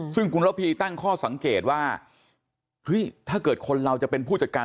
ซึ่งคุณระพีตั้งข้อสังเกตว่าเฮ้ยถ้าเกิดคนเราจะเป็นผู้จัดการ